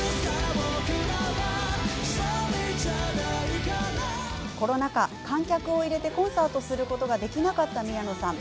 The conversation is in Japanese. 「僕らは一人じゃないから」コロナ禍、観客を入れてコンサートをすることができなかった宮野さん。